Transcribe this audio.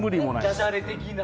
ダジャレ的な。